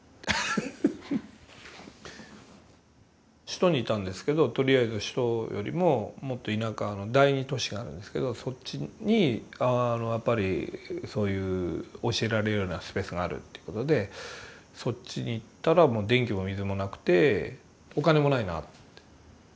首都にいたんですけどとりあえず首都よりももっと田舎の第二都市があるんですけどそっちにあのやっぱりそういう教えられるようなスペースがあるということでそっちに行ったらもう電気も水もなくてお金もないなって。